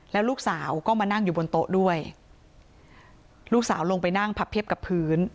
แล้วลูกสาวก็มานั่งอยู่บนโต๊ะด้วยลูกสาวลงไปนั่งพับเทียบกับพื้น